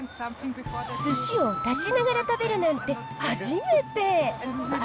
すしを立ちながら食べるなんて、初めて。